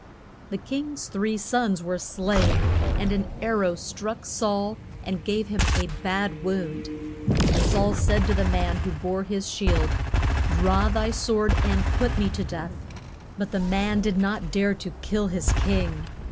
The king's three sons were slain, and an ar row struck Saul and gave him a bad wound. And Saul said to the man who bore his shield, Draw thy sword and put me to death. But the man did not dare to kill his king.